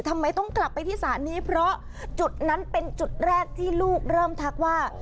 ทำไมต้องกลับไปที่ศาลนี้เพราะจุดนั้นเป็นจุดแรกที่ลูกเริ่มทักว่า